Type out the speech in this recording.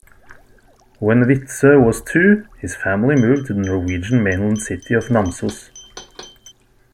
When Widtsoe was two, his family moved to the Norwegian mainland city of Namsos.